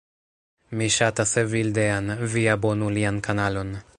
Mi ŝatas Evildean. Vi abonu lian kanalon.